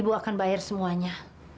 ibu akan bayar semuanya